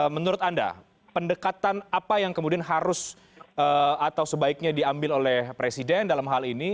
menurut anda pendekatan apa yang kemudian harus atau sebaiknya diambil oleh presiden dalam hal ini